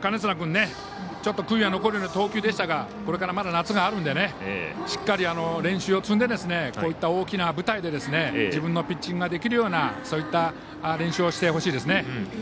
金綱君、ちょっと悔いが残るような投球でしたがこれから、まだ夏があるのでしっかり練習を積んでこういった大きな舞台で自分のピッチングができるような練習をしてほしいですね。